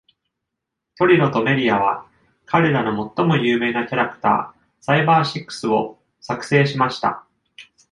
トリロとメリアは、彼らの最も有名なキャラクター、サイバーシックスを作成しました。